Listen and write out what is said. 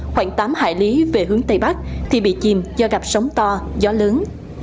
khoảng tám hải lý về hướng tây bắc thì bị chìm do gặp sóng to gió lớn